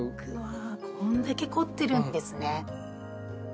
こんだけ凝ってるんですね。